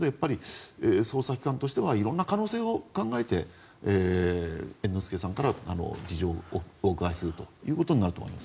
捜査機関としてはいろんな可能性を考えて猿之助さんから事情をお伺いするということになります。